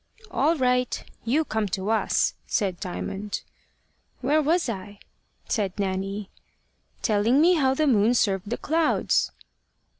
"All right. You come to us," said Diamond. "Where was I?" said Nanny. "Telling me how the moon served the clouds."